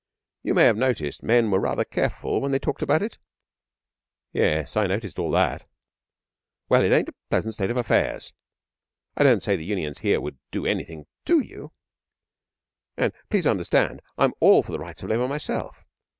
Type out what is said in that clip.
You may have noticed men were rather careful when they talked about it?' 'Yes, I noticed all that.' 'Well, it ain't a pleasant state of affairs. I don't say that the Unions here would do anything to you and please understand I'm all for the rights of Labour myself.